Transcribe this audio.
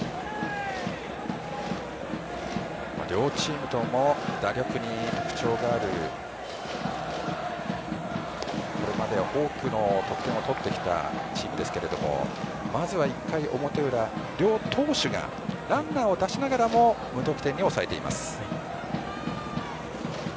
両チームとも打力に特徴があるこれまで多くの得点を取ってきたチームですけれどもまずは１回表裏両投手がランナーを出しながらも無得点に抑えています。